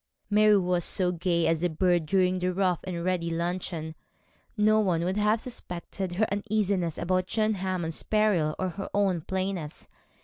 Mary was as gay as a bird during that rough and ready luncheon. No one would have suspected her uneasiness about John Hammond's peril or her own plainness.